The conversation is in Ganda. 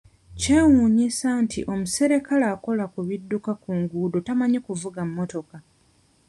Kyewuunyisa nti omuserikale akola ku bidduka ku nguudo tamanyi kuvuga mmotoka!